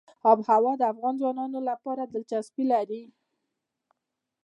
آب وهوا د افغان ځوانانو لپاره دلچسپي لري.